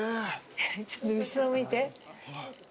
ちょっと後ろ向いて。